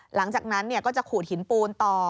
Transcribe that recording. หลังจากนั้นก็จะขูดหินปูนต่อ